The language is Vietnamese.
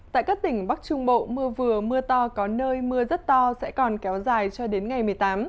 tại các tỉnh bắc trung bộ mưa vừa mưa to có nơi mưa rất to sẽ còn kéo dài cho đến ngày một mươi tám